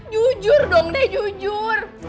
jujur dong nek jujur